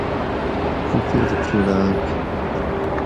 کُچور کھِڑاۤگ